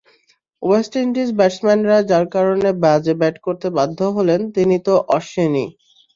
West Indies ব্যাটসম্যানরা যাঁর কারণে বাজে ব্যাট করতে বাধ্য হলেন, তিনি তো অশ্বিনই।